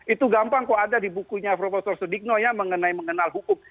itu gampang kok ada di bukunya prof sudikno ya mengenai mengenal hukum